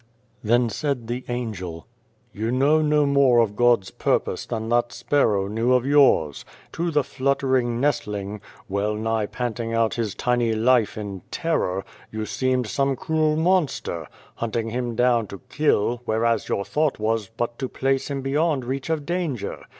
Then said the Angel :" You know no more of God's purpose than that sparrow knew of yours. To the fluttering nestling, well nigh panting out his tiny life in terror, you seemed some cruel monster, hunt ing him down to kill, whereas your thought was but to place him beyond reach of danger.